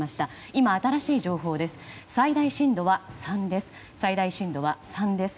今、新しい情報です。